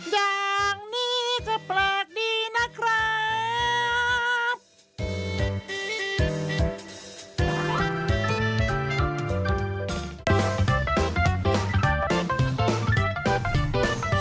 อย่างนี้ก็แปลกดีนะครับ